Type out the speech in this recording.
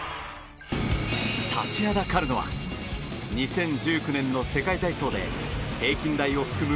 立ちはだかるのは２０１９年の世界体操で平均台を含む